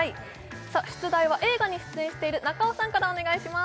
出題は映画に出演している中尾さんからお願いします